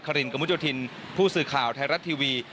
ครินกมุจถินผู้สื่อข่าวไทยรัฐทีวี